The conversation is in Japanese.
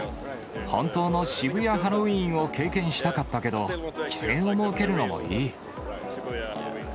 本当の渋谷ハロウィーンを経験したかったけど、規制を設けるのもいい。